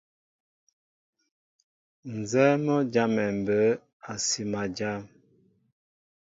Nzɛ́ɛ́ mɔ́ a jámɛ mbə̌ a sima jám.